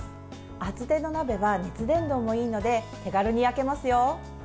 厚手の鍋は熱伝導もいいので手軽に焼けますよ。